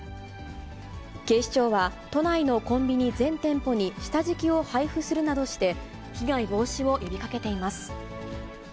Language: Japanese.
警視庁は、都内のコンビニ全店舗に下敷きを配布するなどして、被害防止を呼びかけています。